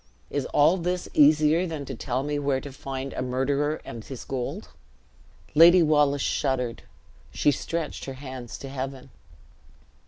Is all this easier than to tell me where to find a murderer and his gold?" Lady Wallace shuddered; she stretched her hands to heaven.